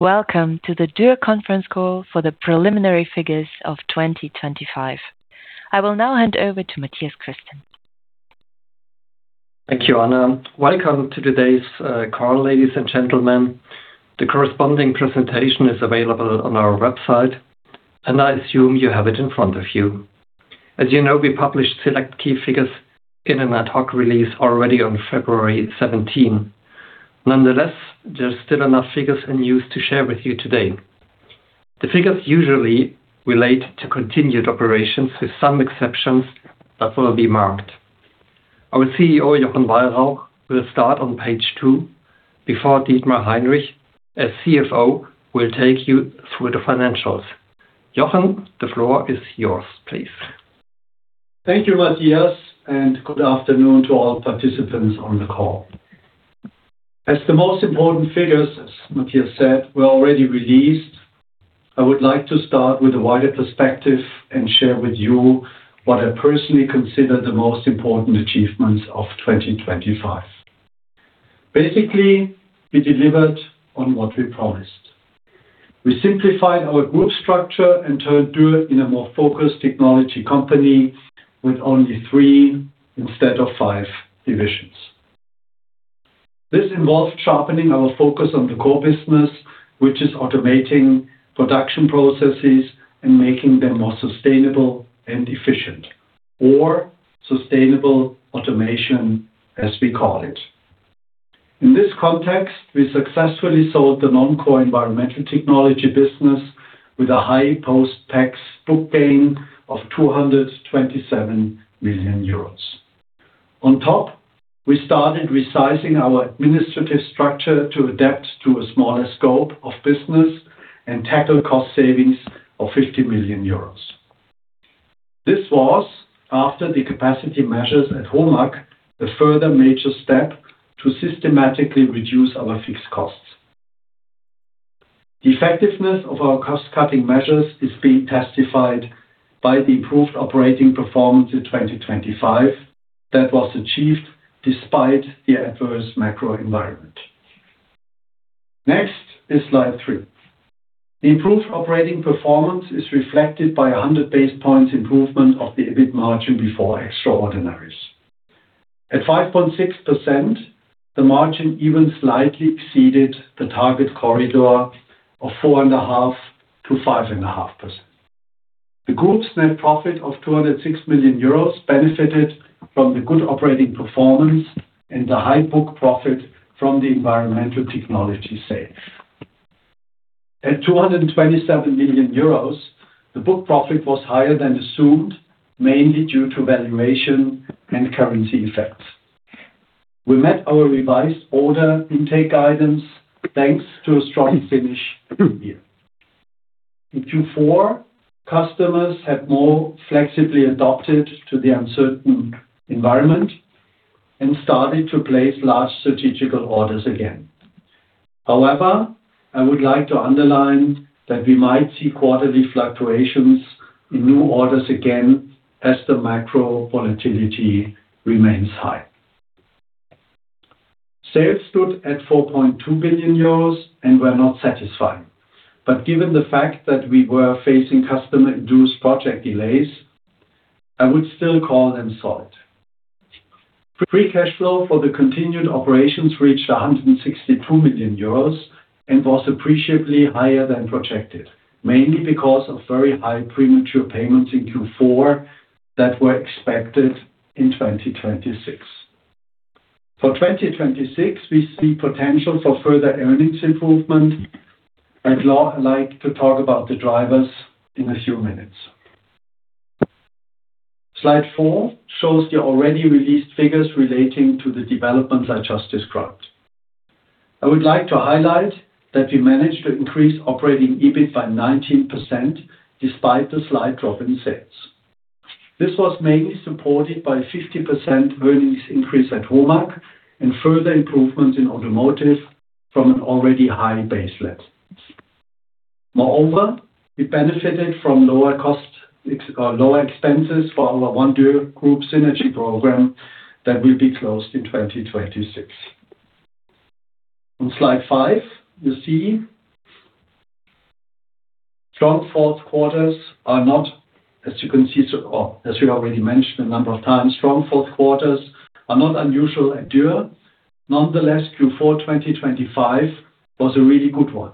Welcome to the Dürr conference call for the preliminary figures of 2025. I will now hand over to Mathias Christen. Thank you, Anna. Welcome to today's call, ladies and gentlemen. The corresponding presentation is available on our website, and I assume you have it in front of you. As you know, we published select key figures in an ad hoc release already on February 17th. Nonetheless, there are still enough figures and news to share with you today. The figures usually relate to continued operations, with some exceptions that will be marked. Our CEO, Jochen Weyrauch, will start on page two before Dietmar Heinrich as CFO will take you through the financials. Jochen, the floor is yours, please. Thank you, Mathias, good afternoon to all participants on the call. As the most important figures, as Mathias said, were already released, I would like to start with a wider perspective and share with you what I personally consider the most important achievements of 2025. Basically, we delivered on what we promised. We simplified our group structure and turned Dürr into a more focused technology company with only three instead of five divisions. This involved sharpening our focus on the core business, which is automating production processes and making them more sustainable and efficient, or Sustainable Automation, as we call it. In this context, we successfully sold the non-core environmental technology business with a high post-tax book gain of 227 million euros. On top, we started resizing our administrative structure to adapt to a smaller scope of business and tackle cost savings of 50 million euros. This was after the capacity measures at HOMAG, a further major step to systematically reduce our fixed costs. The effectiveness of our cost-cutting measures is being testified by the improved operating performance in 2025 that was achieved despite the adverse macro environment. Next is slide three. The improved operating performance is reflected by 100 basis points improvement of the EBIT margin before extraordinaries. At 5.6%, the margin even slightly exceeded the target corridor of 4.5%-5.5%. The group's net profit of 206 million euros benefited from the good operating performance and the high book profit from the environmental technology sale. At 227 million euros, the book profit was higher than assumed, mainly due to valuation and currency effects. We met our revised order intake guidance thanks to a strong finish of the year. In Q4, customers have more flexibly adapted to the uncertain environment and started to place large strategical orders again. However, I would like to underline that we might see quarterly fluctuations in new orders again as the macro volatility remains high. Sales stood at 4.2 billion euros and were not satisfying. Given the fact that we were facing customer-induced project delays, I would still call them solid. Free cash flow for the continued operations reached 162 million euros and was appreciably higher than projected, mainly because of very high premature payments in Q4 that were expected in 2026. For 2026, we see potential for further earnings improvement. I'd like to talk about the drivers in a few minutes. Slide four shows the already released figures relating to the developments I just described. I would like to highlight that we managed to increase operating EBIT by 19% despite the slight drop in sales. This was mainly supported by 50% earnings increase at HOMAG and further improvements in Automotive from an already high base level. Moreover, we benefited from lower or lower expenses for our OneDürrGroup synergy program that will be closed in 2026. On slide five, you see strong fourth quarters are not, as you can see, or as we already mentioned a number of times, strong fourth quarters are not unusual at Dürr. Nonetheless, Q4 2025 was a really good one.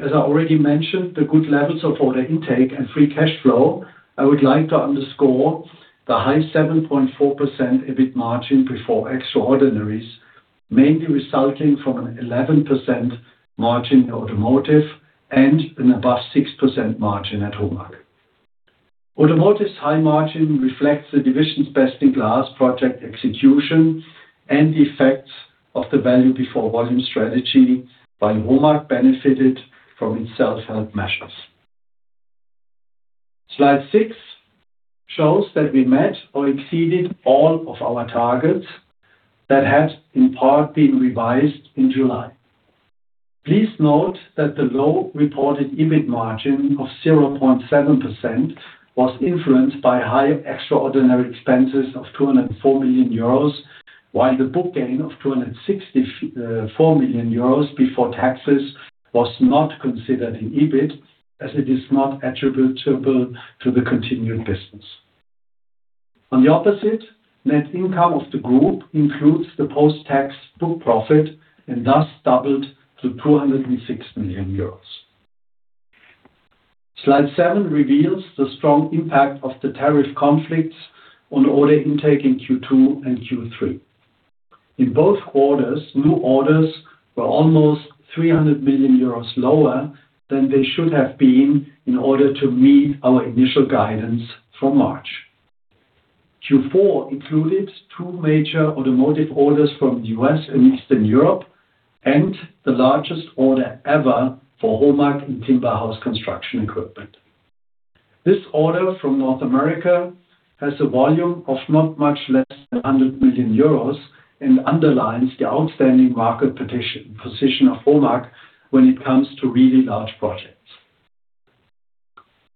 As I already mentioned, the good levels of order intake and free cash flow, I would like to underscore the high 7.4% EBIT margin before extraordinaries, mainly resulting from an 11% margin in Automotive and an above 6% margin at HOMAG. Automotive's high margin reflects the division's best-in-class project execution and the effects of the value before volume strategy, while HOMAG benefited from its self-help measures. Slide 6 shows that we met or exceeded all of our targets that had in part been revised in July. Please note that the low reported EBIT margin of 0.7% was influenced by high extraordinary expenses of 204 million euros. While the book gain of 264 million euros before taxes was not considered in EBIT, as it is not attributable to the continued business. On the opposite, net income of the group includes the post-tax book profit, and thus doubled to 206 million euros. Slide seven reveals the strong impact of the tariff conflicts on order intake in Q2 and Q3. In both quarters, new orders were almost 300 million euros lower than they should have been in order to meet our initial guidance from March. Q4 included two major Automotive orders from the U.S. and Eastern Europe, and the largest order ever for HOMAG in timber house construction equipment. This order from North America has a volume of not much less than 100 million euros, and underlines the outstanding market position of HOMAG when it comes to really large projects.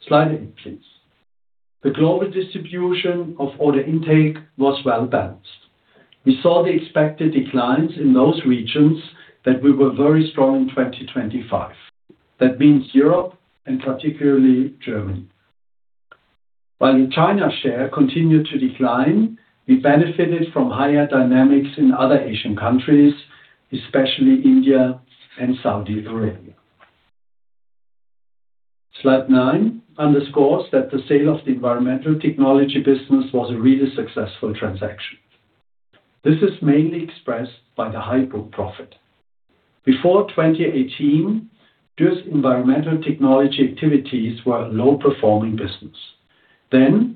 Slide eight, please. The global distribution of order intake was well-balanced. We saw the expected declines in those regions that we were very strong in 2025. That means Europe and particularly Germany. While the China share continued to decline, we benefited from higher dynamics in other Asian countries, especially India and Saudi Arabia. Slide nine underscores that the sale of the environmental technology business was a really successful transaction. This is mainly expressed by the high book profit. Before 2018, this environmental technology activities were a low-performing business.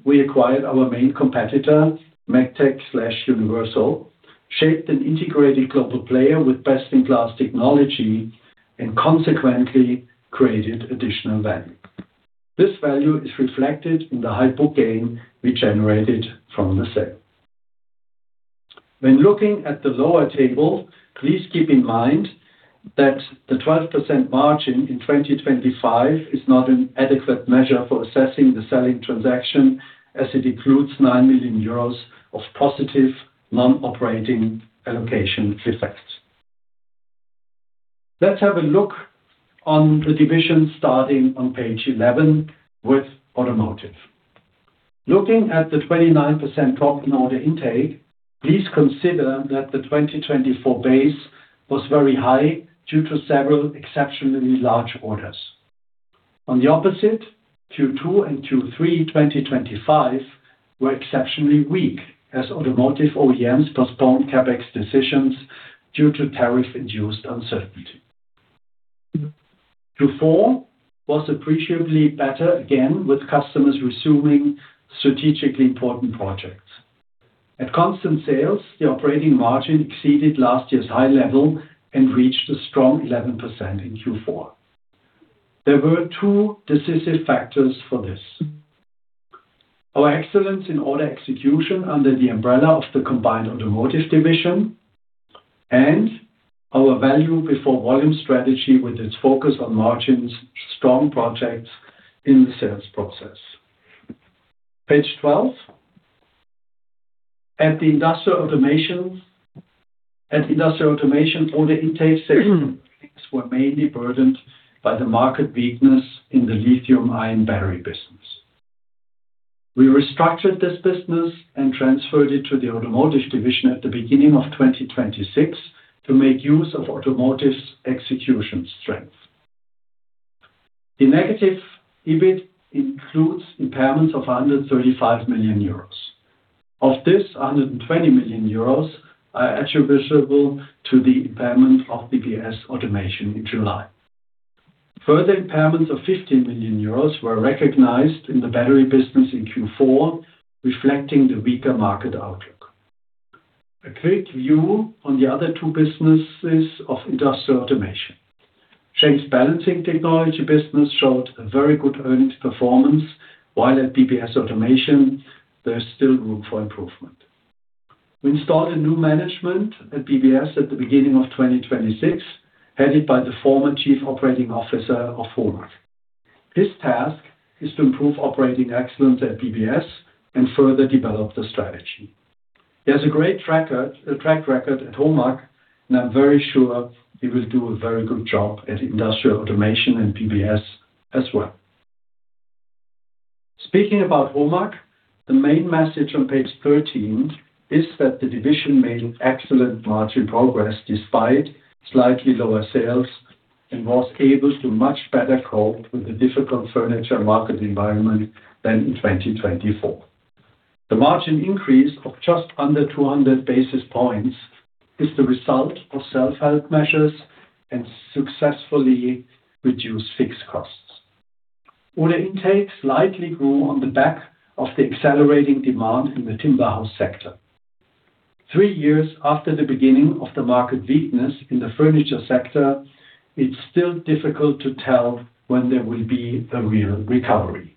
We acquired our main competitor, Megtec/Universal, shaped an integrated global player with best-in-class technology, and consequently created additional value. This value is reflected in the high book gain we generated from the sale. When looking at the lower table, please keep in mind that the 12% margin in 2025 is not an adequate measure for assessing the selling transaction, as it includes 9 million euros of positive non-operating allocation effects. Let's have a look on the division starting on page 11 with Automotive. Looking at the 29% drop in order intake, please consider that the 2024 base was very high due to several exceptionally large orders. On the opposite, Q2 and Q3 2025 were exceptionally weak as automotive OEMs postponed CapEx decisions due to tariff-induced uncertainty. Q4 was appreciably better, again, with customers resuming strategically important projects. At constant sales, the operating margin exceeded last year's high level and reached a strong 11% in Q4. There were two decisive factors for this. Our excellence in order execution under the umbrella of the combined Automotive division and our value before volume strategy with its focus on margins, strong projects in the sales process. Page 12. At Industrial Automation, order intake were mainly burdened by the market weakness in the lithium-ion battery business. We restructured this business and transferred it to the Automotive division at the beginning of 2026 to make use of Automotive's execution strength. The negative EBIT includes impairment of 135 million euros. Of this, 120 million euros are attributable to the impairment of BBS Automation in July. Further impairments of 50 million euros were recognized in the battery business in Q4, reflecting the weaker market outlook. A quick view on the other two businesses of Industrial Automation. Schenck's balancing technology business showed a very good earnings performance, while at BBS Automation, there is still room for improvement. We installed a new management at BBS at the beginning of 2026, headed by the former chief operating officer of HOMAG. His task is to improve operating excellence at BBS and further develop the strategy. He has a great track record at HOMAG, and I'm very sure he will do a very good job at Industrial Automation and BBS as well. Speaking about HOMAG, the main message on page 13 is that the division made excellent margin progress despite slightly lower sales and was able to much better cope with the difficult furniture market environment than in 2024. The margin increase of just under 200 basis points is the result of self-help measures and successfully reduce fixed costs. Order intake slightly grew on the back of the accelerating demand in the timber house sector. Three years after the beginning of the market weakness in the furniture sector, it's still difficult to tell when there will be a real recovery.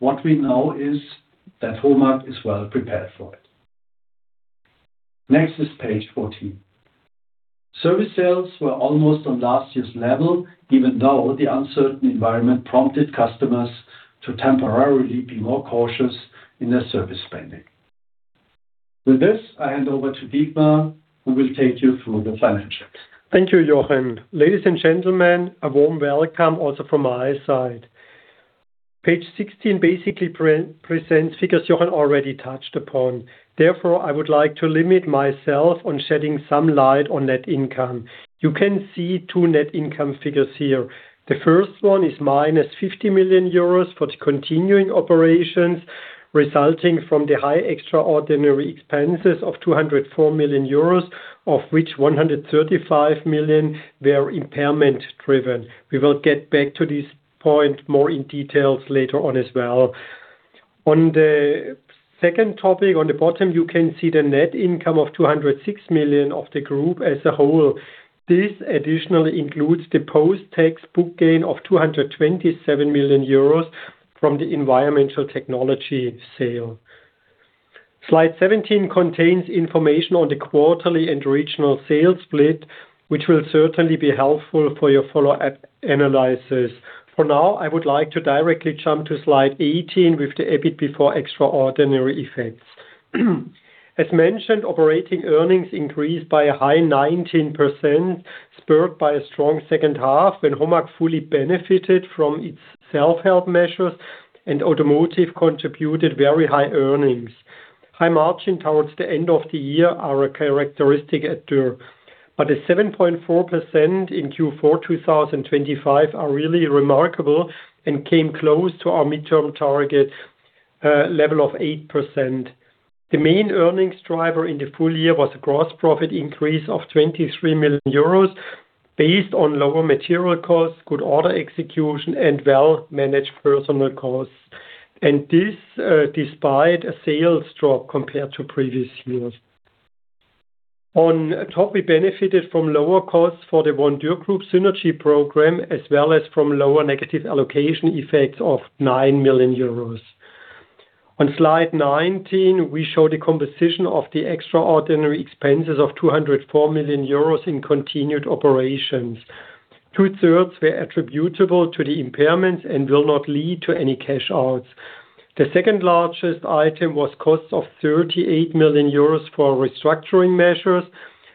What we know is that HOMAG is well prepared for it. Next is page 14. Service sales were almost on last year's level, even though the uncertain environment prompted customers to temporarily be more cautious in their service spending. With this, I hand over to Dietmar, who will take you through the financials. Thank you, Jochen. Ladies and gentlemen, a warm welcome also from my side. Page 16 basically pre-presents figures Jochen already touched upon. I would like to limit myself on shedding some light on net income. You can see two net income figures here. The first one is -50 million euros for the continuing operations, resulting from the high extraordinary expenses of 204 million euros, of which 135 million were impairment driven. We will get back to this point more in details later on as well. On the second topic, on the bottom, you can see the net income of 206 million of the Group as a whole. This additionally includes the post-tax book gain of 227 million euros from the Environmental Technology sale. Slide 17 contains information on the quarterly and regional sales split, which will certainly be helpful for your follow-up analysis. For now, I would like to directly jump to slide 18 with the EBIT before extraordinary effects. As mentioned, operating earnings increased by a high 19%, spurred by a strong second half when HOMAG fully benefited from its self-help measures and Automotive contributed very high earnings. High margin towards the end of the year are a characteristic at Dürr, but the 7.4% in Q4 2025 are really remarkable and came close to our midterm target level of 8%. The main earnings driver in the full year was a gross profit increase of 23 million euros based on lower material costs, good order execution, and well-managed personal costs. This, despite a sales drop compared to previous years. On top, we benefited from lower costs for the OneDürrGroup synergy program, as well as from lower negative allocation effects of 9 million euros. On Slide 19, we show the composition of the extraordinary expenses of 204 million euros in continued operations. 2/3 were attributable to the impairments and will not lead to any cash outs. The second-largest item was costs of 38 million euros for restructuring measures,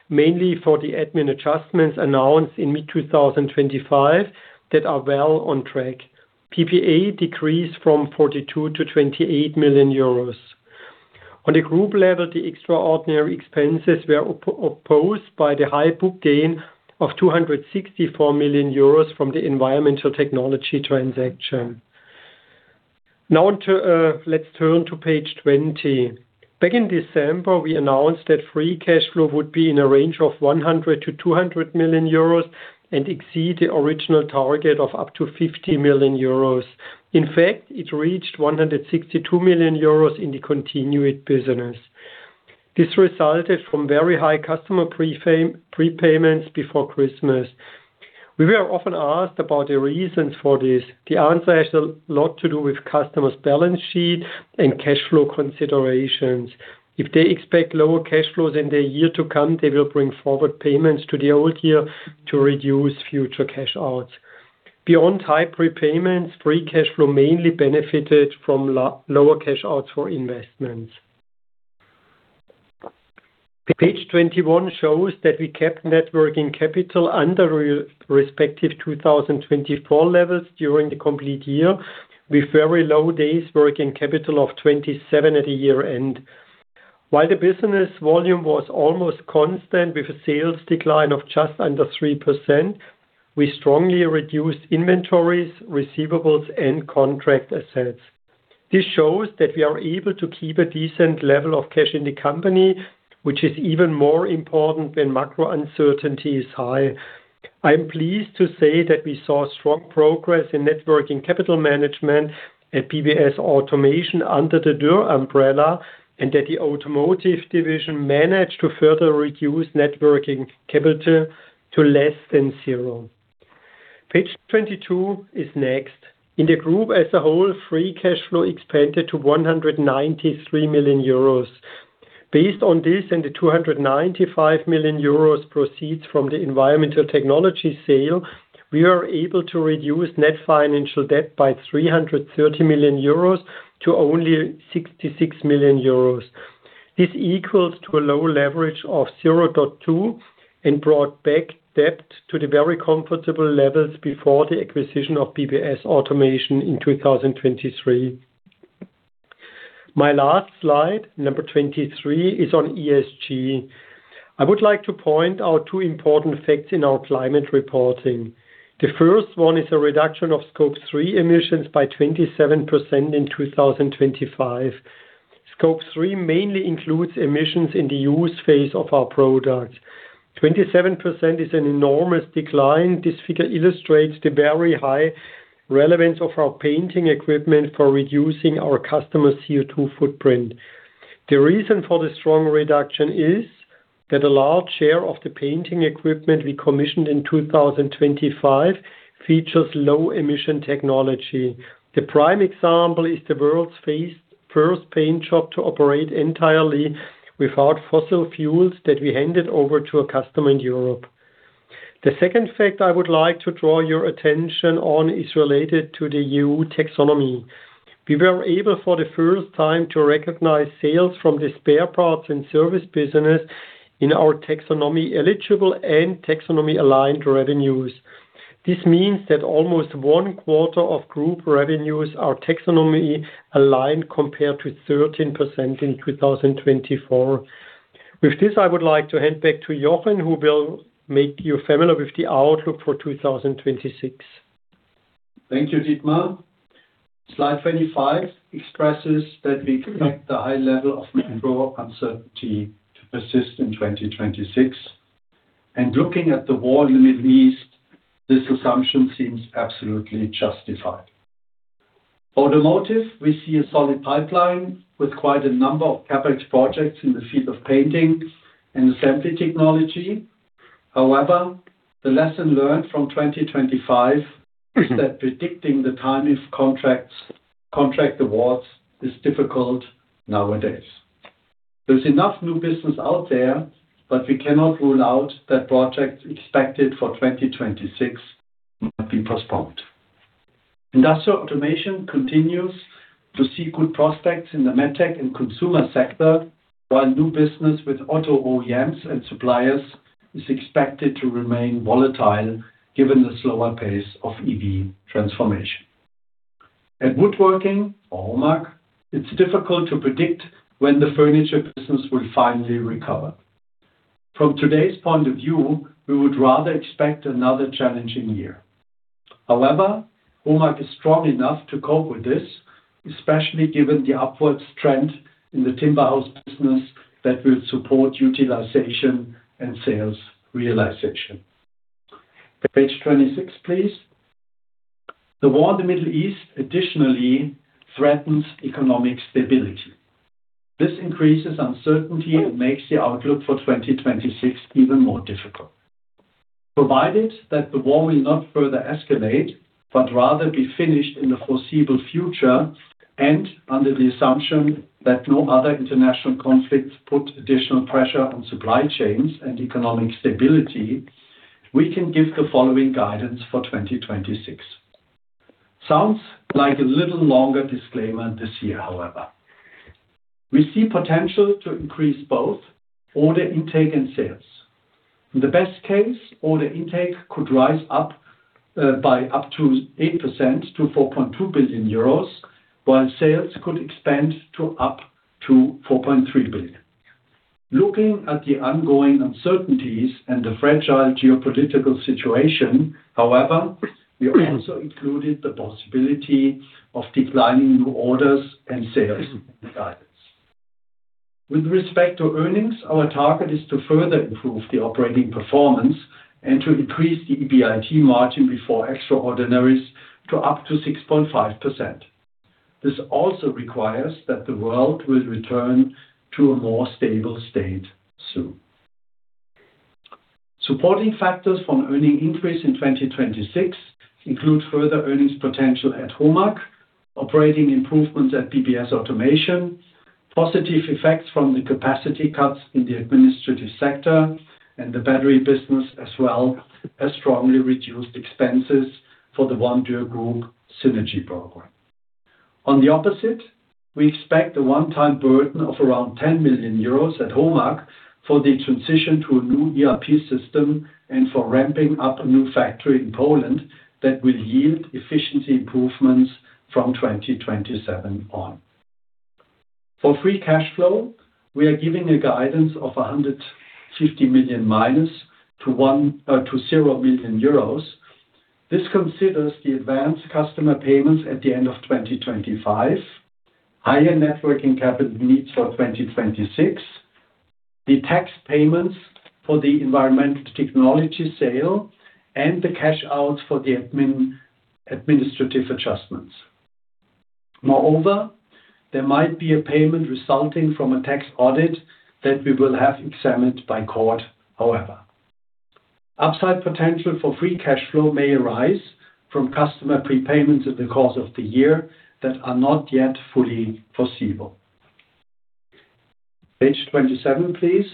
mainly for the admin adjustments announced in mid-2025 that are well on track. PPA decreased from 42 million to 28 million euros. On a group level, the extraordinary expenses were opposed by the high book gain of 264 million euros from the environmental technology transaction. Let's turn to page 20. Back in December, we announced that free cash flow would be in a range of 100 million-200 million euros and exceed the original target of up to 50 million euros. In fact, it reached 162 million euros in the continued business. This resulted from very high customer prepayments before Christmas. We were often asked about the reasons for this. The answer has a lot to do with customers' balance sheet and cash flow considerations. If they expect lower cash flows in the year to come, they will bring forward payments to the old year to reduce future cash outs. Beyond high prepayments, free cash flow mainly benefited from lower cash outs for investments. Page 21 shows that we kept net working capital under respective 2024 levels during the complete year, with very low days working capital of 27 at the year-end. While the business volume was almost constant with a sales decline of just under 3%, we strongly reduced inventories, receivables, and contract assets. This shows that we are able to keep a decent level of cash in the company, which is even more important when macro uncertainty is high. I am pleased to say that we saw strong progress in net working capital management at BBS Automation under the Dürr umbrella, and that the Automotive division managed to further reduce net working capital to less than zero. Page 22 is next. In the group as a whole, free cash flow expanded to 193 million euros. Based on this and the 295 million euros proceeds from the environmental technology sale, we are able to reduce net financial debt by 330 million euros to only 66 million euros. This equals to a low leverage of 0.2 and brought back debt to the very comfortable levels before the acquisition of BBS Automation in 2023. My last slide, number 23, is on ESG. I would like to point out two important facts in our climate reporting. The first one is a reduction of Scope 3 emissions by 27% in 2025. Scope 3 mainly includes emissions in the use phase of our products. 27% is an enormous decline. This figure illustrates the very high relevance of our painting equipment for reducing our customers' CO2 footprint. The reason for the strong reduction is that a large share of the painting equipment we commissioned in 2025 features low emission technology. The prime example is the world's first paint shop to operate entirely without fossil fuels that we handed over to a customer in Europe. The second fact I would like to draw your attention on is related to the EU Taxonomy. We were able, for the first time, to recognize sales from the spare parts and service business in our Taxonomy eligible and Taxonomy aligned revenues. This means that almost one quarter of group revenues are Taxonomy aligned compared to 13% in 2024. With this, I would like to hand back to Jochen, who will make you familiar with the outlook for 2026. Thank you, Dietmar. Slide 25 expresses that we expect the high level of macro uncertainty to persist in 2026. Looking at the war in the Middle East, this assumption seems absolutely justified. Automotive, we see a solid pipeline with quite a number of CapEx projects in the field of painting and assembly technology. However, the lesson learned from 2025 is that predicting the timing of contracts, contract awards is difficult nowadays. There's enough new business out there, but we cannot rule out that projects expected for 2026 might be postponed. Industrial Automation continues to see good prospects in the med tech and consumer sector, while new business with auto OEMs and suppliers is expected to remain volatile given the slower pace of EV transformation. At Woodworking, or HOMAG, it's difficult to predict when the furniture business will finally recover. From today's point of view, we would rather expect another challenging year. However, HOMAG is strong enough to cope with this, especially given the upwards trend in the timber house business that will support utilization and sales realization. Page 26, please. The war in the Middle East additionally threatens economic stability. This increases uncertainty and makes the outlook for 2026 even more difficult. Provided that the war will not further escalate, but rather be finished in the foreseeable future, and under the assumption that no other international conflicts put additional pressure on supply chains and economic stability, we can give the following guidance for 2026. Sounds like a little longer disclaimer this year, however. We see potential to increase both order intake and sales. In the best case, order intake could rise up by up to 8% to 4.2 billion euros, while sales could expand to up to 4.3 billion. Looking at the ongoing uncertainties and the fragile geopolitical situation, however, we also included the possibility of declining new orders and sales in the guidance. With respect to earnings, our target is to further improve the operating performance and to increase the EBIT margin before extraordinaries to up to 6.5%. This also requires that the world will return to a more stable state soon. Supporting factors from earning increase in 2026 include further earnings potential at HOMAG, operating improvements at BBS Automation, positive effects from the capacity cuts in the administrative sector and the battery business as well as strongly reduced expenses for the OneDürrGroup synergy program. We expect a one-time burden of around 10 million euros at HOMAG for the transition to a new ERP system and for ramping up a new factory in Poland that will yield efficiency improvements from 2027 on. For free cash flow, we are giving a guidance of -150 million-0 million euros. This considers the advanced customer payments at the end of 2025, higher net working capital needs for 2026, the tax payments for the environmental technology sale, and the cash out for the administrative adjustments. There might be a payment resulting from a tax audit that we will have examined by court, however. Upside potential for free cash flow may arise from customer prepayments in the course of the year that are not yet fully foreseeable. Page 27, please.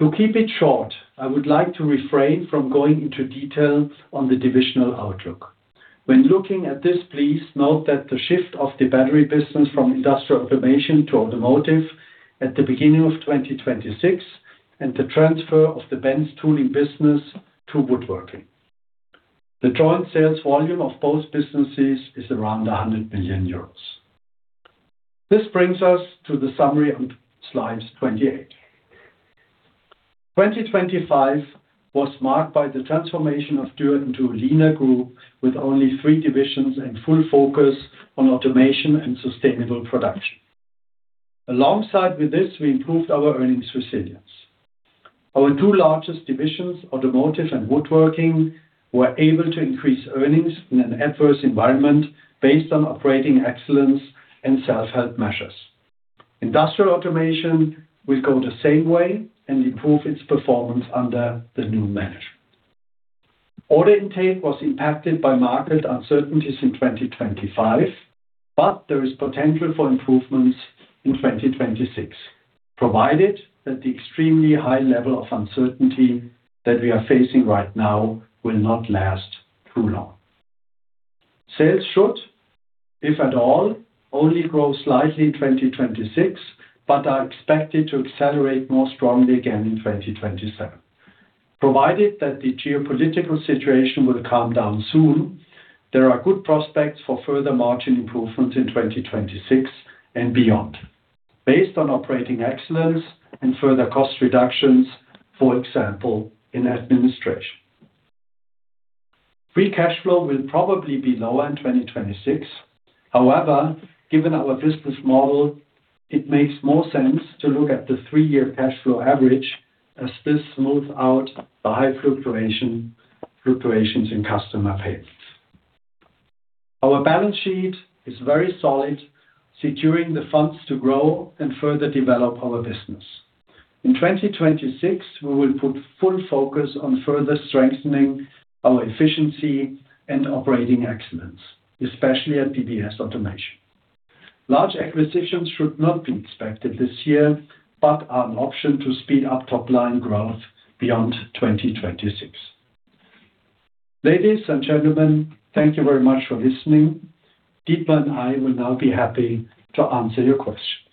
To keep it short, I would like to refrain from going into detail on the divisional outlook. When looking at this, please note that the shift of the battery business from Industrial Automation to Automotive at the beginning of 2026 and the transfer of the BENZ tooling business to Woodworking. The joint sales volume of both businesses is around 100 million euros. This brings us to the summary on slides 28. 2025 was marked by the transformation of Dürr into a leaner group with only three divisions and full focus on automation and sustainable production. Alongside with this, we improved our earnings resilience. Our two largest divisions, Automotive and Woodworking, were able to increase earnings in an adverse environment based on operating excellence and self-help measures. Industrial Automation will go the same way and improve its performance under the new management. Order intake was impacted by market uncertainties in 2025, but there is potential for improvements in 2026, provided that the extremely high level of uncertainty that we are facing right now will not last too long. Sales should, if at all, only grow slightly in 2026, but are expected to accelerate more strongly again in 2027. Provided that the geopolitical situation will calm down soon, there are good prospects for further margin improvements in 2026 and beyond, based on operating excellence and further cost reductions, for example, in administration. Free cash flow will probably be lower in 2026. However, given our business model, it makes more sense to look at the three-year cash flow average as this smooth out the high fluctuations in customer payments. Our balance sheet is very solid, securing the funds to grow and further develop our business. In 2026, we will put full focus on further strengthening our efficiency and operating excellence, especially at BBS Automation. Large acquisitions should not be expected this year, but are an option to speed up top line growth beyond 2026. Ladies and gentlemen, thank you very much for listening. Dietmar and I will now be happy to answer your questions.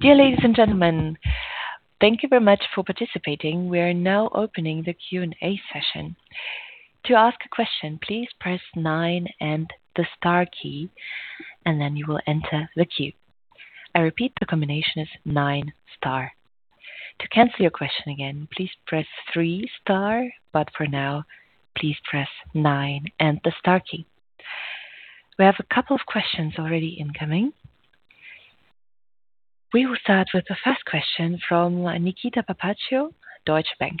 Dear ladies and gentlemen, thank you very much for participating. We are now opening the Q&A session. To ask a question, please press nine and the star key, and then you will enter the queue. I repeat, the combination is nine star. To cancel your question again, please press three star. For now, please press nine and the star key. We have a couple of questions already incoming. We will start with the first question from Nikita Papaccio, Deutsche Bank.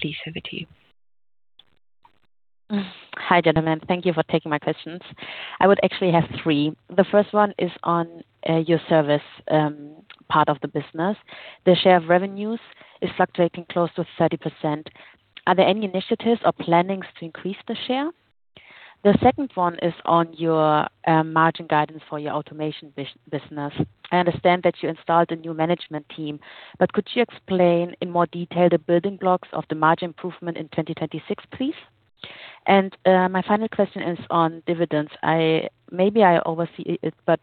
Please over to you. Hi, gentlemen. Thank you for taking my questions. I would actually have 3. The first one is on your service part of the business. The share of revenues is fluctuating close to 30%. Are there any initiatives or plannings to increase the share? The second one is on your margin guidance for your automation business. I understand that you installed a new management team, but could you explain in more detail the building blocks of the margin improvement in 2026, please? My final question is on dividends. Maybe I oversee it, but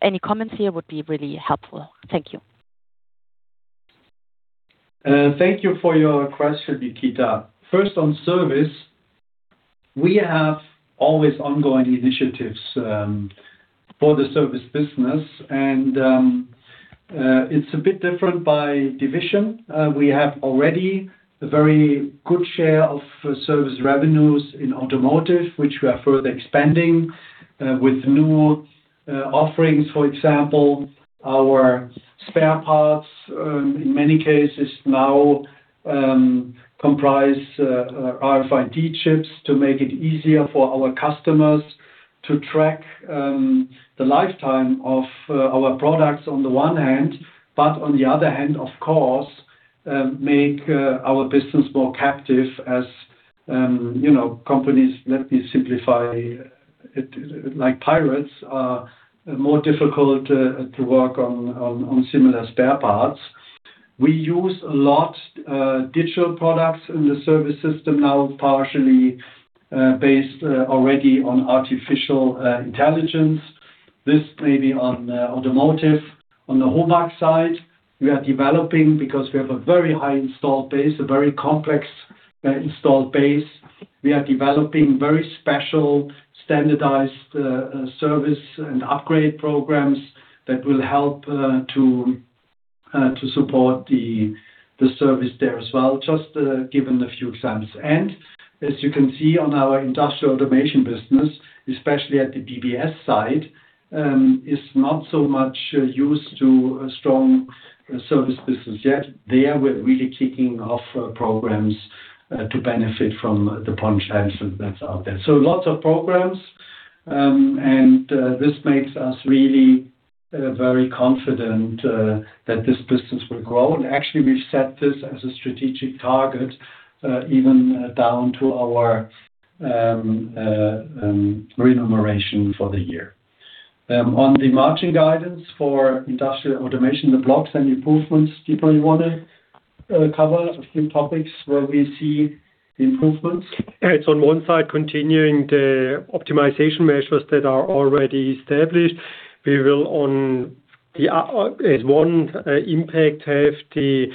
any comments here would be really helpful. Thank you. Thank you for your question, Nikita. First, on service, we have always ongoing initiatives for the service business, it's a bit different by division. We have already a very good share of service revenues in Automotive, which we are further expanding with new offerings. For example, our spare parts, in many cases now, comprise RFID chips to make it easier for our customers to track the lifetime of our products on the one hand, but on the other hand, of course, make our business more captive as, you know, companies, let me simplify it, like pirates are more difficult to work on similar spare parts. We use a lot digital products in the service system now, partially based already on artificial intelligence. This may be on Automotive. On the HOMAG side, we are developing because we have a very high installed base, a very complex installed base. We are developing very special standardized service and upgrade programs that will help to support the service there as well. Just giving a few examples. As you can see on our Industrial Automation business, especially at the BBS side, is not so much used to a strong service business yet. There, we're really kicking off programs to benefit from the potential that's out there. Lots of programs, and this makes us really very confident that this business will grow. Actually, we set this as a strategic target even down to our remuneration for the year. On the margin guidance for Industrial Automation, the blocks and improvements, Dietmar, you wanna cover a few topics where we see improvements? It's on one side, continuing the optimization measures that are already established. We will on the, as one, impact, have the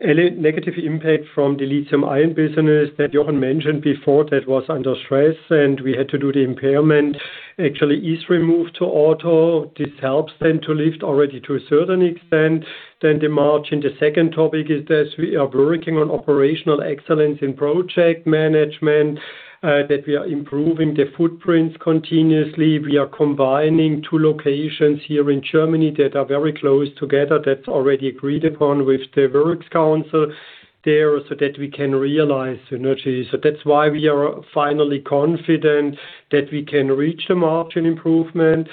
negative impact from the lithium ion business that Jochen mentioned before that was under stress, and we had to do the impairment actually is removed to Automotive. This helps then to lift already to a certain extent. The margin, the second topic is that we are working on operational excellence in project management, that we are improving the footprints continuously. We are combining two locations here in Germany that are very close together. That's already agreed upon with the works council there so that we can realize synergy. That's why we are finally confident that we can reach the margin improvement.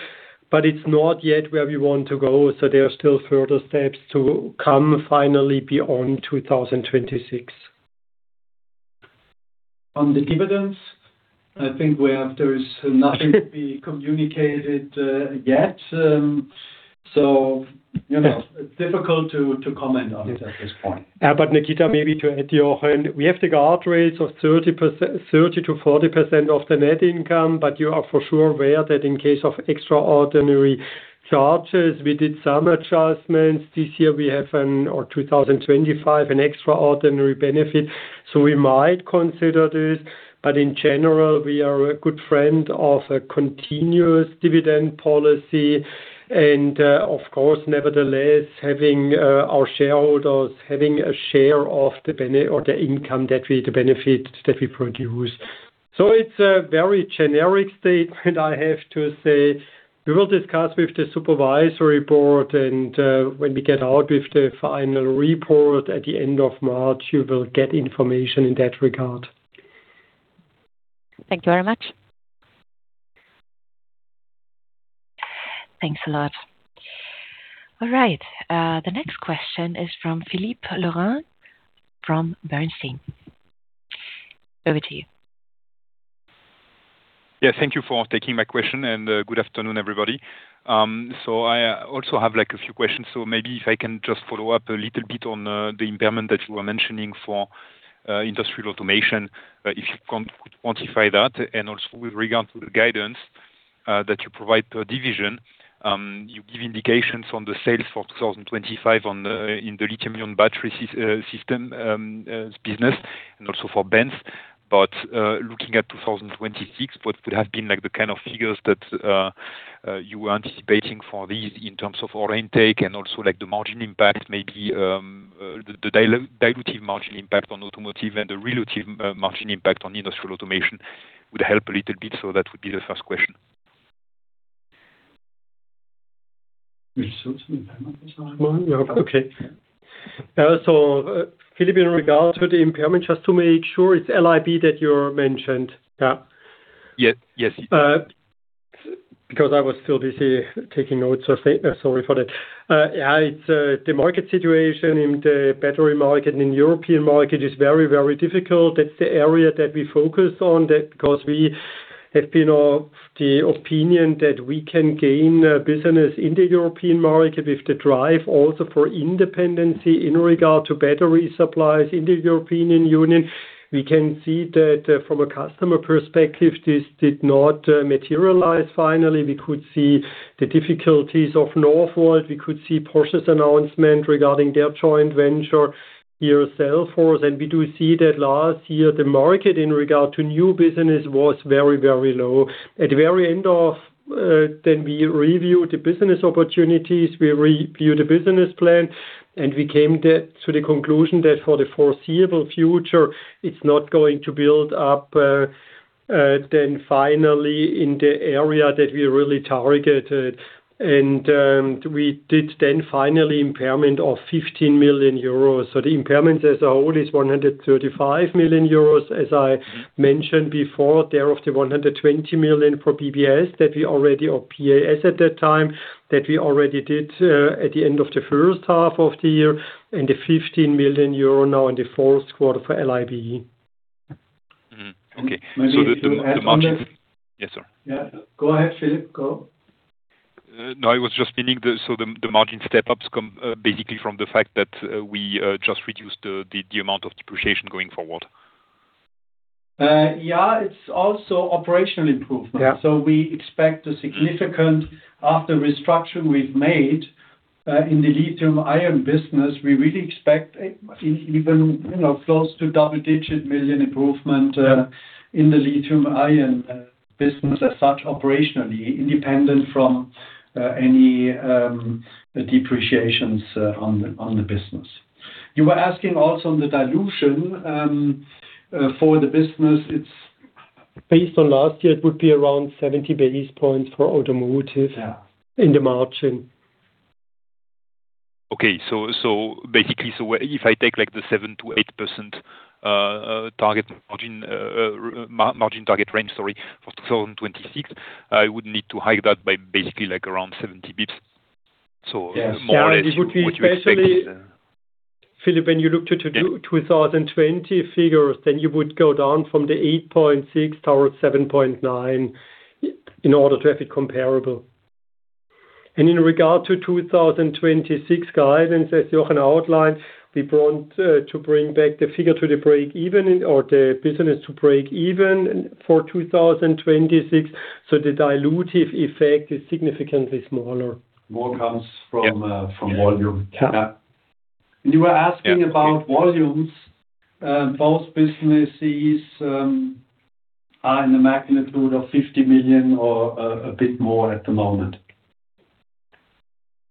But it's not yet where we want to go. There are still further steps to come finally beyond 2026. On the dividends, I think where there is nothing to be communicated, yet. you know, it's difficult to comment on it at this point. Nikita, maybe to add to your end, we have the guard rates of 30%, 30%-40% of the net income. You are for sure aware that in case of extraordinary charges, we did some adjustments. This year we have or 2025, an extraordinary benefit. We might consider this, in general, we are a good friend of a continuous dividend policy. Of course, nevertheless, having our shareholders having a share of the or the income that we the benefit that we produce. It's a very generic statement, I have to say. We will discuss with the supervisory board, when we get out with the final report at the end of March, you will get information in that regard. Thank you very much. Thanks a lot. All right. The next question is from Philippe Lorrain from Bernstein. Over to you. Thank you for taking my question, good afternoon, everybody. I also have, like, a few questions. Maybe if I can just follow up a little bit on the impairment that you were mentioning for Industrial Automation, if you can quantify that. Also with regard to the guidance that you provide per division, you give indications on the sales for 2025 on the, in the lithium-ion battery system business and also for BENZ. Looking at 2026, what could have been, like, the kind of figures that you were anticipating for these in terms of order intake and also, like, the margin impact, maybe, the dilutive margin impact on Automotive and the relative margin impact on Industrial Automation would help a little bit. That would be the first question. Which shows an impairment this time around. Okay. Philippe, in regard to the impairment, just to make sure it's LIB that you mentioned, yeah? Yes. Yes. Because I was still busy taking notes, so sorry for that. Yeah. It's the market situation in the battery market and in European market is very, very difficult. That's the area that we focus on that because we have been of the opinion that we can gain business in the European market with the drive also for independency in regard to battery supplies in the European Union. We can see that from a customer perspective, this did not materialize finally. We could see the difficulties of Northvolt. We could see Porsche's announcement regarding their joint venture here, Cellforce. We do see that last year, the market in regard to new business was very, very low. At the very end of, then we reviewed the business opportunities, we reviewed the business plan, and we came to the conclusion that for the foreseeable future, it's not going to build up, then finally in the area that we really targeted. We did then finally impairment of 15 million euros. The impairment as a whole is 135 million euros, as I mentioned before. Thereof the 120 million for BBS that we already, or PAS at that time, that we already did at the end of the first half of the year, and the 15 million euro now in the fourth quarter for LIB. Mm-hmm. Okay. The margin- Maybe to add to that. Yes, sir. Yeah. Go ahead, Philippe. Go. no, I was just meaning the, so the margin step-ups come, basically from the fact that, we just reduced the amount of depreciation going forward. Yeah. It's also operational improvement. Yeah. we expect a significant after restructure we've made in the lithium ion business. We really expect, you know, close to double-digit million improvement in the lithium ion business as such, operationally, independent from any depreciations on the business. You were asking also on the dilution for the business. Based on last year, it would be around 70 basis points for Automotive- Yeah. In the margin. Okay. Basically, if I take, like, the 7%-8% target margin target range, sorry, for 2026, I would need to hike that by basically, like, around 70 basis points. More or less what you expect. Philippe, when you look to 2020 figures, then you would go down from the 8.6 towards 7.9 in order to have it comparable. In regard to 2026 guidance, as Jochen outlined, we want to bring back the figure to the break even or the business to break even for 2026. The dilutive effect is significantly smaller. More comes from volume. Yeah. You were asking about volumes. Both businesses are in the magnitude of 50 million or a bit more at the moment.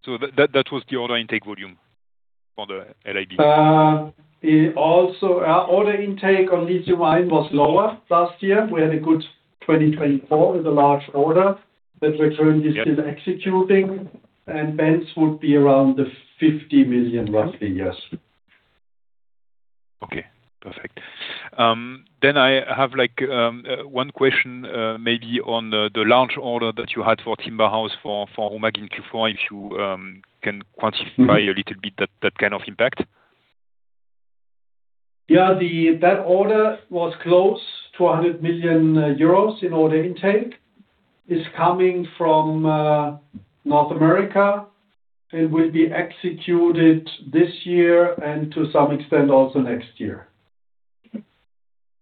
That was the order intake volume for the LIB. Our order intake on lithium ion was lower last year. We had a good 2024 with a large order that we currently still executing. BENZ would be around the 50 million roughly. Yes. Perfect. I have like one question, maybe on the large order that you had for Timber House for HOMAG in Q4, if you can quantify a little bit that kind of impact. Yeah. That order was close to 100 million euros in order intake. It's coming from North America. It will be executed this year and to some extent also next year.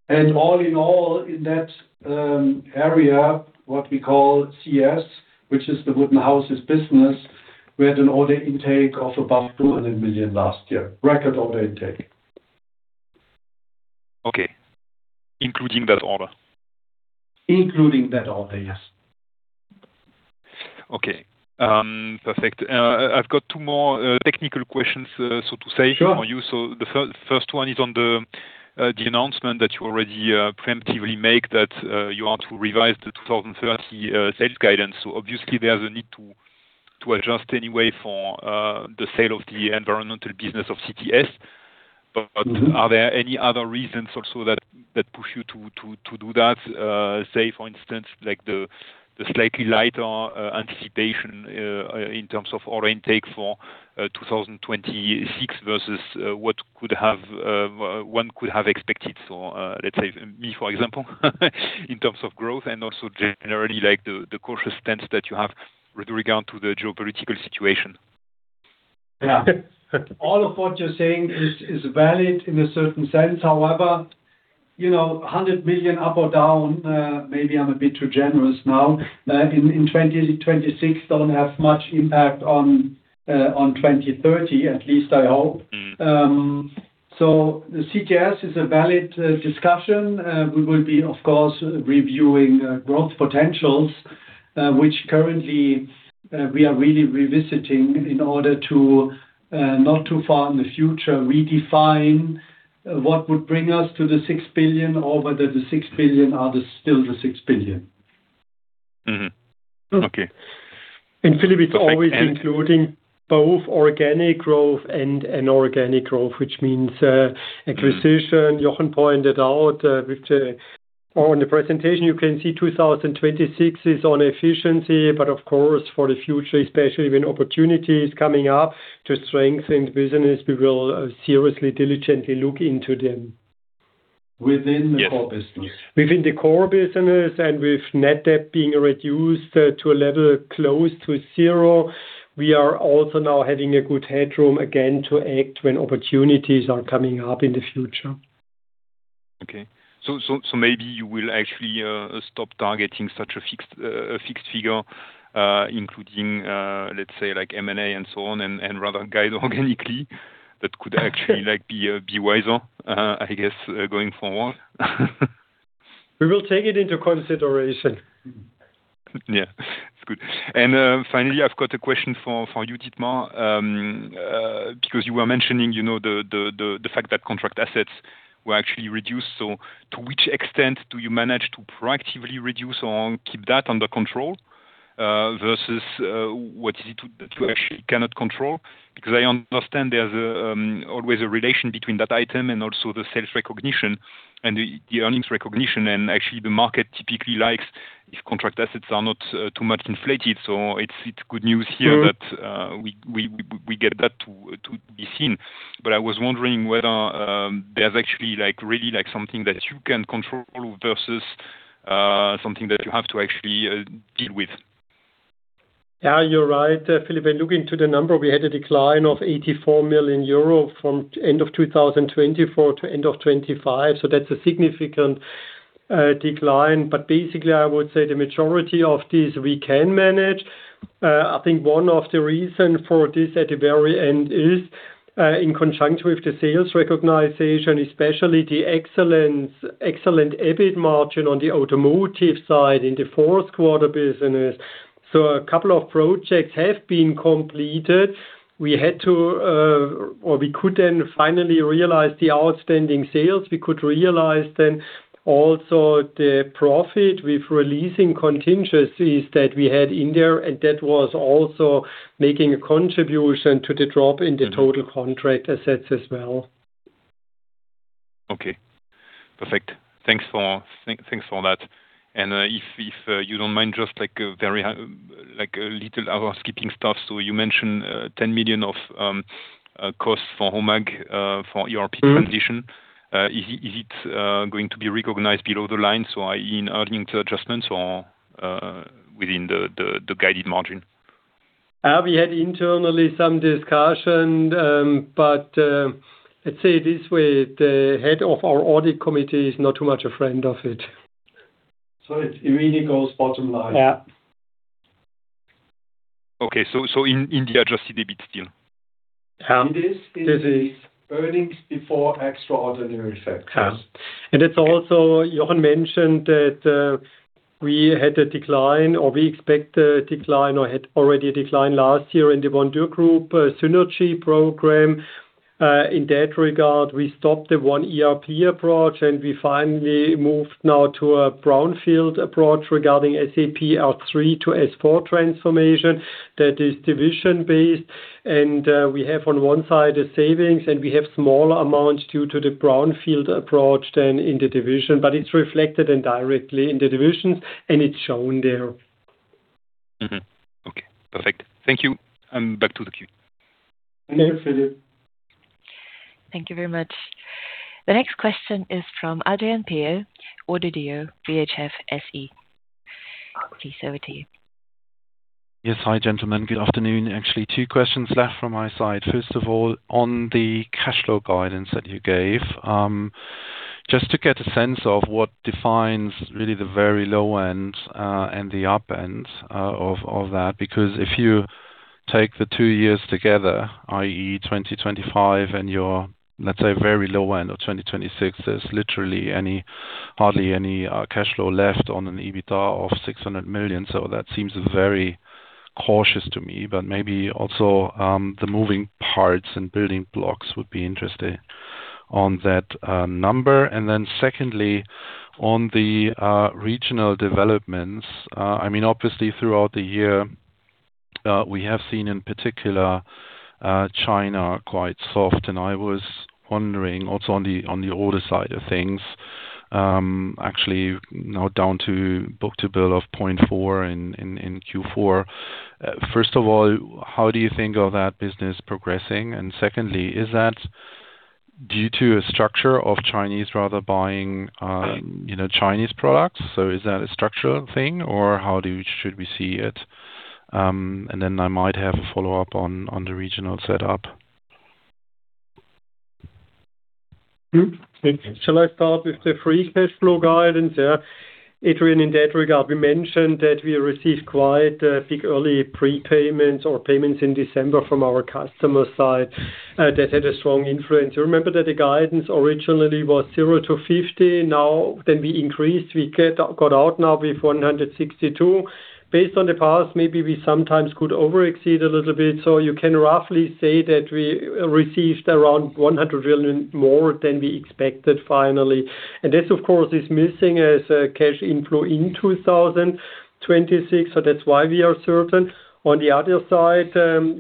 All in all, in that area, what we call CS, which is the wooden houses business, we had an order intake of above 200 million last year. Record order intake. Okay. Including that order? Including that order, yes. Okay. Perfect. I've got two more, technical questions. Sure. -for you. The first one is on the announcement that you already preemptively make, that you are to revise the 2030 sales guidance. Obviously there's a need to adjust anyway for the sale of the environmental business of CTS. Mm-hmm. Are there any other reasons also that push you to do that? Say for instance, like the slightly lighter anticipation in terms of order intake for 2026 versus what one could have expected. Let's say me, for example, in terms of growth and also generally like the cautious stance that you have with regard to the geopolitical situation. Yeah. All of what you're saying is valid in a certain sense. However, you know, 100 million up or down, maybe I'm a bit too generous now, in 2026, don't have much impact on 2030, at least I hope. The CTS is a valid discussion. We will be of course, reviewing growth potentials, which currently we are really revisiting in order to not too far in the future redefine what would bring us to the 6 billion or whether the 6 billion are the still the 6 billion. Mm-hmm. Okay. Philippe, it's always including both organic growth and inorganic growth, which means acquisition Jochen pointed out, which on the presentation you can see 2026 is on efficiency, but of course, for the future, especially when opportunities coming up to strengthen business, we will seriously diligently look into them. Within the core business. Within the core business. With net debt being reduced to a level close to zero, we are also now having a good headroom again to act when opportunities are coming up in the future. Okay. Maybe you will actually stop targeting such a fixed figure, including, let's say like M&A and so on, and rather guide organically that could actually like be wiser, I guess, going forward. We will take it into consideration. Yeah, that's good. Finally, I've got a question for you, Dietmar, because you were mentioning, you know, the fact that contract assets were actually reduced. To which extent do you manage to proactively reduce or keep that under control versus what is it that you actually cannot control? Because I understand there's a always a relation between that item and also the sales recognition and the earnings recognition. Actually the market typically likes if contract assets are not too much inflated. It's good news here that we get that to be seen. I was wondering whether there's actually like really like something that you can control versus something that you have to actually deal with. Yeah, you're right, Philippe. When looking to the number, we had a decline of 84 million euro from end of 2024 to end of 2025. That's a significant decline. Basically I would say the majority of this we can manage. I think one of the reason for this at the very end is in conjunction with the sales recognition, especially the excellence, excellent EBIT margin on the Automotive side in the fourth quarter business. A couple of projects have been completed. We had to, or we could then finally realize the outstanding sales. We could realize then also the profit with releasing contingencies that we had in there. That was also making a contribution to the drop in the total contract assets as well. Okay, perfect. Thanks for that. If you don't mind, just like a very high, like a little housekeeping stuff. You mentioned 10 million of cost for HOMAG for ERP transition. Is it going to be recognized below the line, so i.e., in earning to adjustments or within the guided margin? We had internally some discussion, let's say it this way, the head of our audit committee is not too much a friend of it. It really goes bottom line. Yeah. Okay. In the adjusted EBIT still? Um- It is earnings before extraordinary factors. It's also Jochen mentioned that we had a decline or we expect a decline or had already a decline last year in the OneDürrGroup synergy program. In that regard, we stopped the one ERP approach, and we finally moved now to a brownfield approach regarding SAP R/3 to S/4HANA transformation that is division based. We have on one side the savings, and we have smaller amounts due to the brownfield approach than in the division, but it's reflected indirectly in the divisions, and it's shown there. Mm-hmm. Okay. Perfect. Thank you. I'm back to the queue. Thank you, Philippe. Thank you very much. The next question is from Adrian Pao, ODDO BHF SE. Please, over to you. Yes. Hi, gentlemen. Good afternoon. Actually, two questions left from my side. First of all, on the cash flow guidance that you gave, just to get a sense of what defines really the very low end and the up end of that. Because if you take the two years together, i.e, 2025 and your, let's say, very low end of 2026, there's literally hardly any cash flow left on an EBITDA of 600 million. So that seems very cautious to me. But maybe also, the moving parts and building blocks would be interesting on that number. Secondly, on the regional developments, I mean, obviously throughout the year, we have seen in particular, China quite soft. I was wondering also on the, on the order side of things, actually now down to book-to-bill of 0.4 in Q4. First of all, how do you think of that business progressing? Secondly, is that due to a structure of Chinese rather buying, you know, Chinese products? Is that a structural thing, or how do should we see it? Then I might have a follow-up on the regional setup. Shall I start with the free cash flow guidance? Yeah. Adrian, in that regard, we mentioned that we received quite a big early prepayments or payments in December from our customer side that had a strong influence. You remember that the guidance originally was 0-50. We increased. We got out now with 162. Based on the past, maybe we sometimes could over-exceed a little bit. You can roughly say that we received around 100 million more than we expected finally. This, of course, is missing as a cash inflow in 2026. That's why we are certain. On the other side,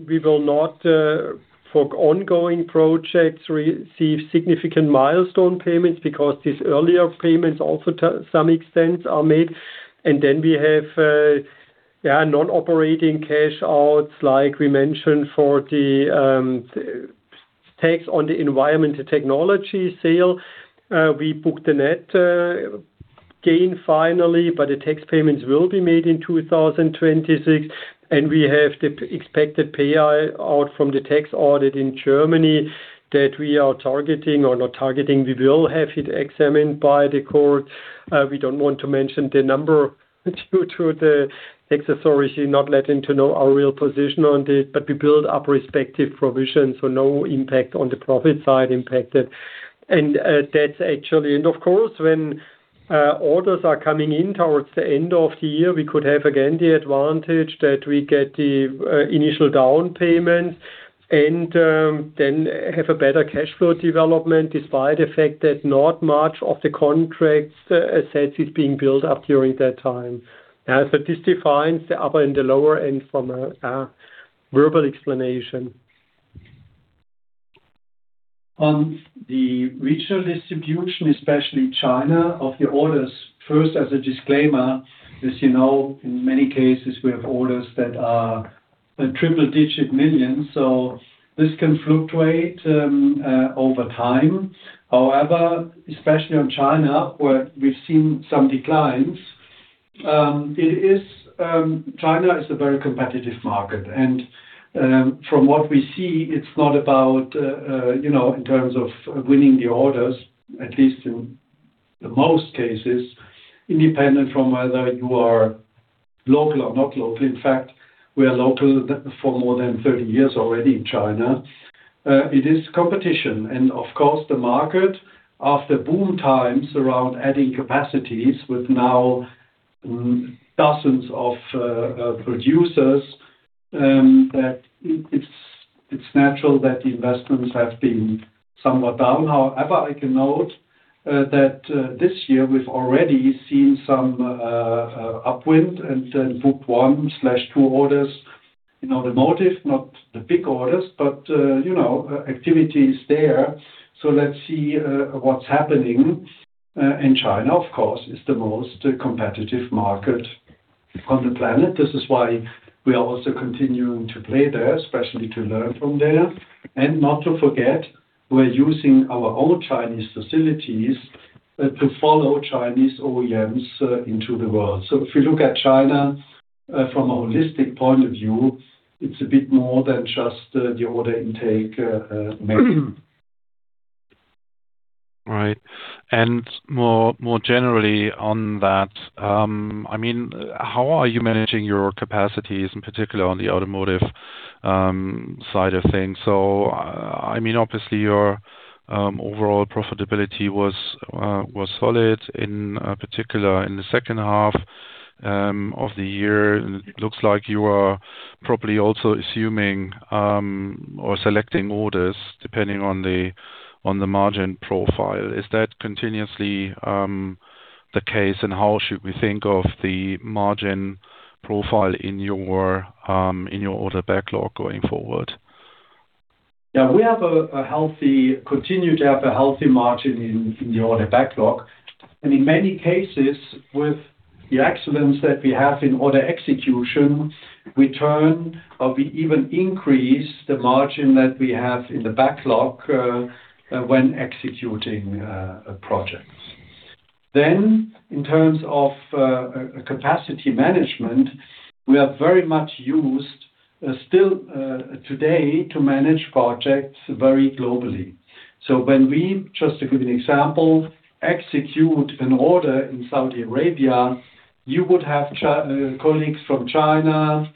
we will not, for ongoing projects receive significant milestone payments because these earlier payments also to some extent are made. We have non-operating cash outs, like we mentioned, for the tax on the environmental technology sale. We booked the net gain finally, the tax payments will be made in 2026, we have the expected payout from the tax audit in Germany that we are targeting or not targeting. We will have it examined by the court. We don't want to mention the number due to the tax authority not letting to know our real position on this, we build up provisions, no impact on the profit side impacted. That's actually... Of course, when orders are coming in towards the end of the year, we could have, again, the advantage that we get the initial down payments and then have a better cash flow development despite the fact that not much of the contract assets is being built up during that time. So this defines the upper and the lower end from a verbal explanation. On the regional distribution, especially China, of the orders. First, as a disclaimer, as you know, in many cases, we have orders that are a triple-digit million, so this can fluctuate over time. However, especially on China, where we've seen some declines, it is China is a very competitive market. From what we see, it's not about, you know, in terms of winning the orders, at least in the most cases, independent from whether you are local or not local. In fact, we are local for more than 30 years already in China. It is competition. Of course, the market after boom times around adding capacities with now dozens of producers, that it's natural that the investments have been somewhat down. I can note that this year we've already seen some upwind and then booked 1/2 orders in Automotive, not the big orders, but, you know, activity is there. Let's see what's happening in China, of course, is the most competitive market on the planet. This is why we are also continuing to play there, especially to learn from there. Not to forget, we're using our own Chinese facilities to follow Chinese OEMs into the world. If you look at China from a holistic point of view, it's a bit more than just the order intake mix. Right. More generally on that, I mean, how are you managing your capacities, in particular on the Automotive side of things? I mean, obviously your overall profitability was solid in particular in the second half of the year. Looks like you are probably also assuming or selecting orders depending on the margin profile. Is that continuously? The case and how should we think of the margin profile in your, in your order backlog going forward? We continue to have a healthy margin in the order backlog. In many cases, with the excellence that we have in order execution, we turn or we even increase the margin that we have in the backlog, when executing projects. In terms of capacity management, we are very much used still today to manage projects very globally. When we, just to give you an example, execute an order in Saudi Arabia, you would have colleagues from China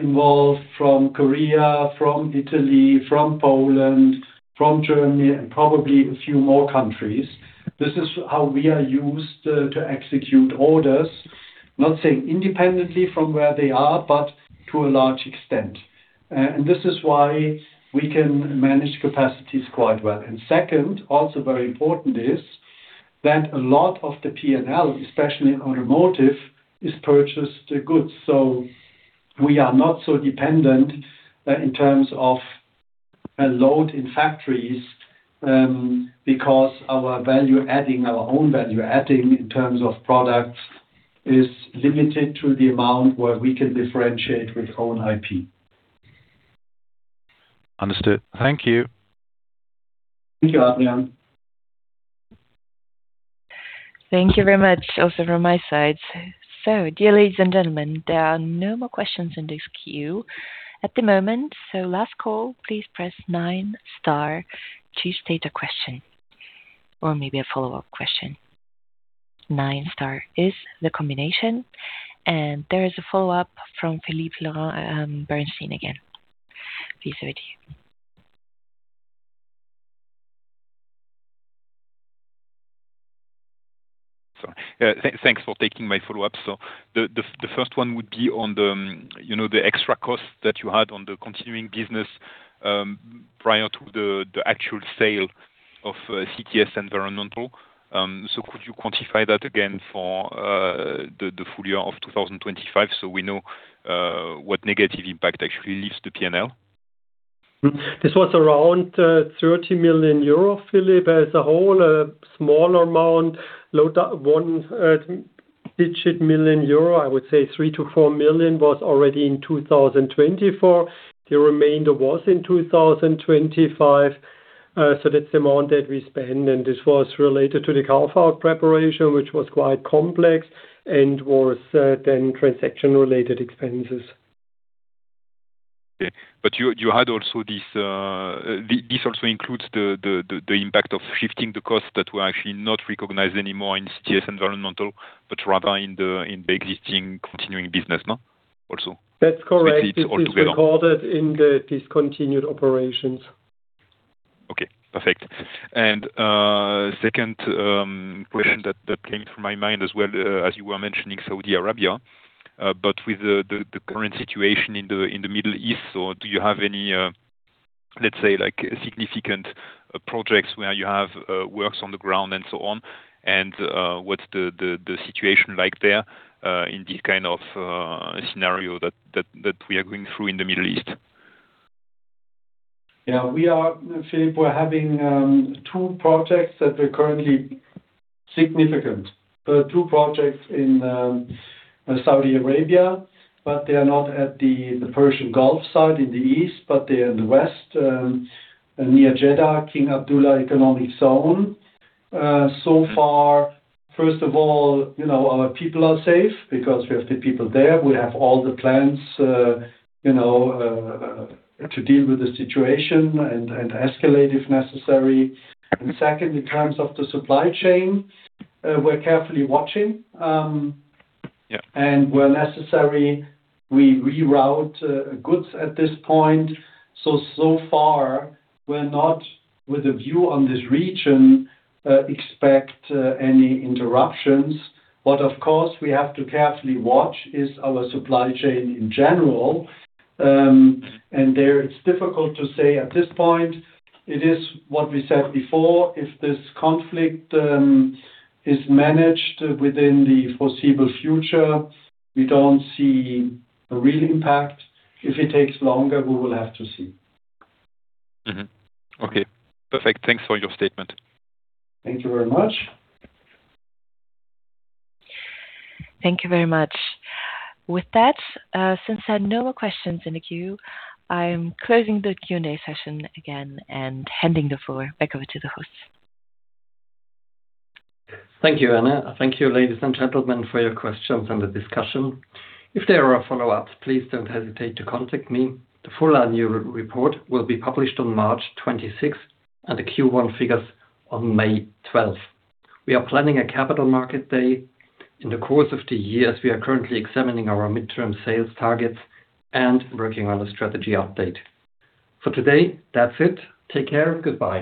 involved, from Korea, from Italy, from Poland, from Germany, and probably a few more countries. This is how we are used to execute orders. Not saying independently from where they are, but to a large extent. This is why we can manage capacities quite well. Second, also very important is that a lot of the P&L, especially Automotive, is purchased goods. We are not so dependent in terms of a load in factories because our own value adding in terms of products is limited to the amount where we can differentiate with own IP. Understood. Thank you. Thank you, Adrian. Thank you very much also from my side. Dear ladies and gentlemen, there are no more questions in this queue at the moment. Last call, please press nine star to state a question or maybe a follow-up question. Nine star is the combination. There is a follow-up from Philippe Lorrain, Bernstein again. Please proceed. Sorry. Thanks for taking my follow-up. The first one would be on the, you know, the extra cost that you had on the continuing business, prior to the actual sale of CTS Environmental. Could you quantify that again for the full year of 2025 so we know what negative impact actually leaves the P&L? This was around 30 million euro, Philippe Lorrain, as a whole, a smaller amount, low to one digit million EUR. I would say 3 million-4 million was already in 2024. The remainder was in 2025. That's the amount that we spend, and this was related to the carve-out preparation, which was quite complex, and was then transaction-related expenses. Yeah. You had also this also includes the impact of shifting the costs that were actually not recognized anymore in CTS Environmental, but rather in the existing continuing business now also? That's correct. This is all together. This is recorded in the discontinued operations. Okay. Perfect. Second question that came to my mind as well, as you were mentioning Saudi Arabia, but with the current situation in the Middle East, do you have any, let's say, like, significant projects where you have works on the ground and so on? What's the situation like there, in this kind of scenario that we are going through in the Middle East? Yeah. We are, Philippe, we're having two projects that are currently significant. Two projects in Saudi Arabia, but they are not at the Persian Gulf side in the east, but they're in the west, near Jeddah, King Abdullah Economic Zone. So far, first of all, you know, our people are safe because we have the people there. We have all the plans, you know, to deal with the situation and escalate if necessary. Second, in terms of the supply chain, we're carefully watching. Yeah. Where necessary, we reroute goods at this point. So far we're not, with a view on this region, expect any interruptions. Of course, we have to carefully watch is our supply chain in general. There, it's difficult to say at this point. It is what we said before. If this conflict is managed within the foreseeable future, we don't see a real impact. If it takes longer, we will have to see. Mm-hmm. Okay. Perfect. Thanks for your statement. Thank you very much. Thank you very much. With that, since I have no more questions in the queue, I'm closing the Q&A session again and handing the floor back over to the host. Thank you, Anna. Thank you, ladies and gentlemen, for your questions and the discussion. If there are follow-ups, please don't hesitate to contact me. The full annual re-report will be published on March 26th and the Q1 figures on May 12th. We are planning a Capital Market Day in the course of the year as we are currently examining our midterm sales targets and working on a strategy update. For today, that's it. Take care. Goodbye.